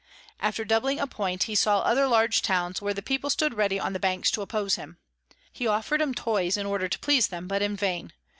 After doubling a Point, he saw other large Towns, where the People stood ready on the Banks to oppose him. He offer'd 'em Toys in order to please them, but in vain.